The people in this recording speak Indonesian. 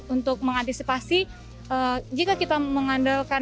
untuk mengantisipasi jika kita mengandalkan